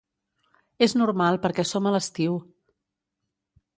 És normal perquè som a l'estiu.